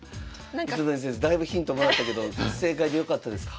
糸谷先生だいぶヒントもらったけど正解でよかったですか？